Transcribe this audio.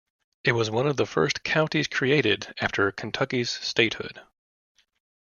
It was one of the first counties created after Kentucky's statehood.